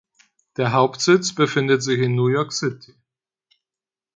Der Hauptsitz befindet sich in New York City.